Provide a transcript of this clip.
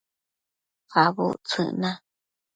Abudtsëc na